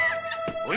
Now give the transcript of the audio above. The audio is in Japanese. おい！